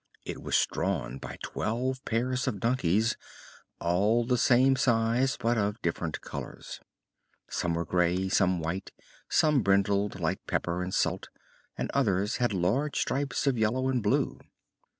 It was drawn by twelve pairs of donkeys, all the same size but of different colors. Some were gray, some white, some brindled like pepper and salt, and others had large stripes of yellow and blue.